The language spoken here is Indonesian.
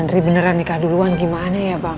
dari beneran nikah duluan gimana ya bang